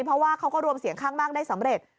เพราะว่าเขาก็รวมเสียงข้างมากได้สำเร็จ